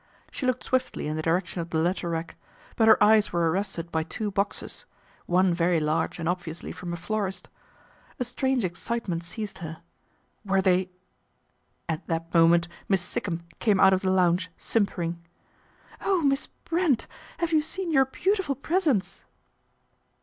She looked swiftly in the direction of the letter rack ; but her eyes were arrested by two boxes, one very large and ob viously from a florist. A strange excitement seized her. ' Were they ?" At that moment Miss Sikkum came out of the lounge simpering. " Oh, Miss Brent ! have you seen your beautiful presents